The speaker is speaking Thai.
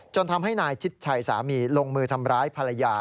ทำให้นายชิดชัยสามีลงมือทำร้ายภรรยา